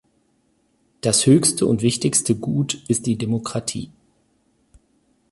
Das höchste und wichtigste Gut ist die Demokratie.